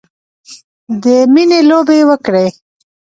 د میینې لوبې وکړې